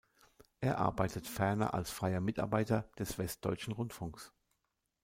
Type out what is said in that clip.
Er arbeitet ferner als freier Mitarbeiter des Westdeutschen Rundfunks.